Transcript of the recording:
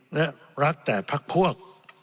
และรักแต่พักพวก